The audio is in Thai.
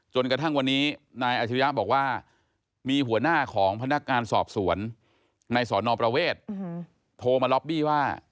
จนกระทั่งวันนี้นายอาชิริยะบอกว่ามีหัวหน้าของพนักงานสอบสวนในสอนอประเวทโทรมาล็อบบี้ว่า